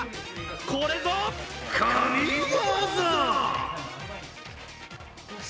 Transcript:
これぞ、神業。